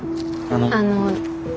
あの。